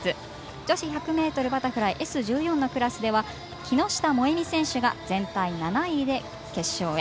女子１００ｍバタフライＳ１４のクラスでは木下萌実選手が全体７位で決勝へ。